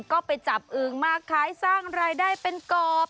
ก็ไปจับอึงมาขายสร้างรายได้เป็นกรอบ